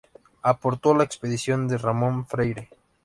Aportó a la expedición de Ramón Freire.